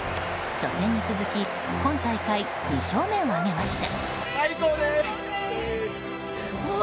初戦に続き今大会２勝目を挙げました。